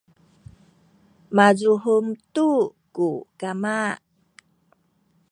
mazuhem tu ku kama